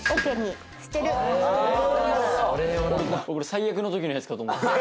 俺最悪の時のやつかと。